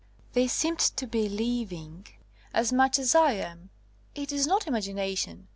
They seemed to be living as much as I am. It is not imagination.